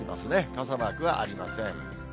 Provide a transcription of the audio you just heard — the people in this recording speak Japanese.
傘マークはありません。